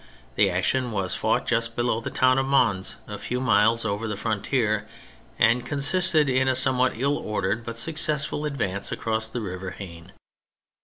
The action was fought just below the town of Mons, a few miles over the frontier, and consisted in a somewhat ill ordered but successful advance across the River Haine.